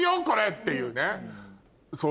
っていうね。